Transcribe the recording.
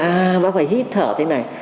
à bác phải hít thở thế này